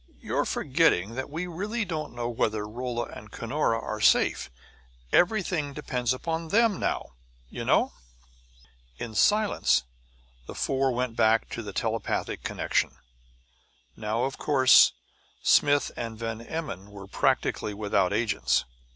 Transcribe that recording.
You're forgetting that we don't really know whether Rolla and Cunora are safe. Everything depends upon them now, you know." In silence the four went back into telepathic connection. Now, of course, Smith and Van Emmon were practically without agents.